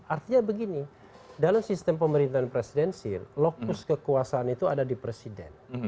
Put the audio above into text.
artinya begini dalam sistem pemerintahan presidensil lokus kekuasaan itu ada di presiden